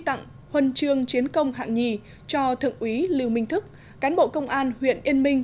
tặng huân chương chiến công hạng nhì cho thượng úy lưu minh thức cán bộ công an huyện yên minh